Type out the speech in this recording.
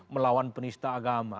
melawan penista agama